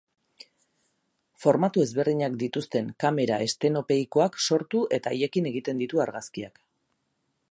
Formatu ezberdinak dituzten kamera estenopeikoak sortu eta haiekin egiten ditu argazkiak.